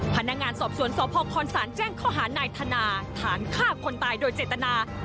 พนักงานสอบสวนสพคศแจ้งข้อหานายธนาฐานฆ่าคนตายโดยเจตนา